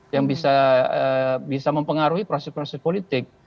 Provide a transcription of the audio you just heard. yang bisa mempengaruhi proses proses politik